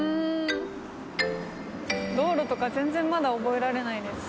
道路とか全然まだ覚えられないです。